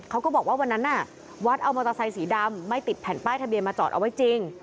เขาก็บอกว่าวันนั้นน่ะวัดเอามอเตอร์ไซสีดำไม่ติดแผ่นป้ายทะเบียนมาจอดเอาไว้จริง